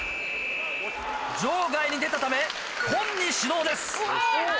場外に出たため今に指導です。